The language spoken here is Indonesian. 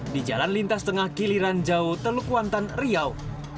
di jalan lintas tengah kiliran jauh teluk wantan riau